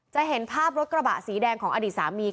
จะเห็นภาพรถกระบะสีแดงของอดีตสามี